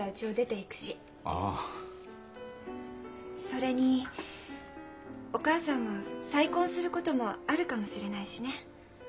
それにお母さんも再婚することもあるかもしれないしね。